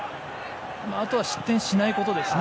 あとは失点しないことですね。